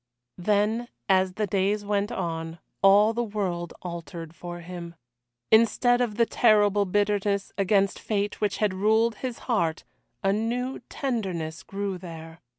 Then, as the days went on, all the world altered for him. Instead of the terrible bitterness against fate which had ruled his heart, a new tenderness grew there.